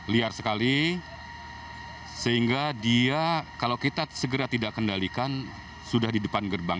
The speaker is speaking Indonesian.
liar sekali sehingga dia kalau kita segera tidak kendalikan sudah di depan gerbang